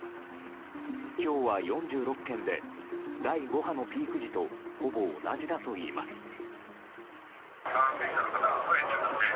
今日は４６件で第５波のピーク時とほぼ同じだといいます。